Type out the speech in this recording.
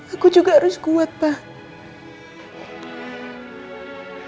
aku juga harus kuat pak